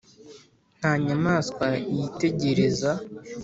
nta nyamaswa yitegereza